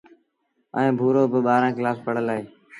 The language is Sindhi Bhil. ائيٚݩ ڀورو با ٻآهرآݩ ڪلآس پڙهل اهي۔